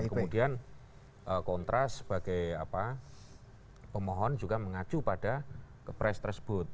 kemudian kontras sebagai pemohon juga mengacu pada kepres tersebut